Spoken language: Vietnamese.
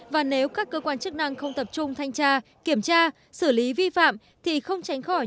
và nếu các cơ quan chức năng không tập trung thanh tra kiểm tra xử lý vi phạm thì không tránh khỏi